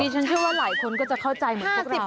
ฉันเชื่อว่าหลายคนก็จะเข้าใจเหมือนพวกเรา